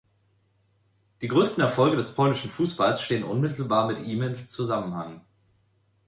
Die größten Erfolge des polnischen Fußballs stehen unmittelbar mit ihm in Zusammenhang.